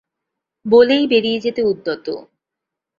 বলেই বেরিয়ে যেতে উদ্যত।